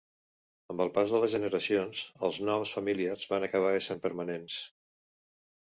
Amb el pas de les generacions, els noms familiars van acabar essent permanents.